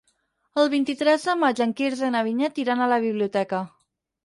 El vint-i-tres de maig en Quirze i na Vinyet iran a la biblioteca.